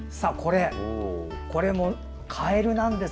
これもカエルなんです。